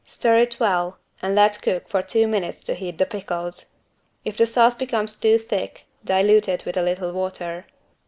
Stir well and let cook for two minutes to heat the pickles. If the sauce becomes too thick dilute it with a little water.